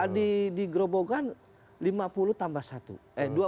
di grobogan lima puluh tambah satu